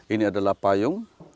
ini adalah payung